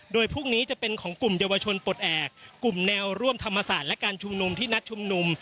โดยพรุ่งนี้จะเป็นของกลุ่มเยาวชนปลดแอบกลุ่มแนวร่วมธรรมศาสตร์และการชุมนุมที่นัดชุมนุม